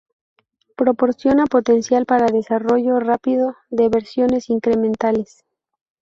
Proporciona potencial para desarrollo rápido de versiones incrementales.